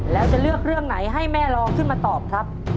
แล้วจะเลือกเรื่องไหนให้แม่ลองขึ้นมาตอบครับ